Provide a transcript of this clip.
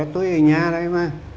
tôi ở nhà đây mà